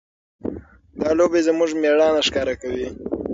دا لوبې زموږ مېړانه ښکاره کوي.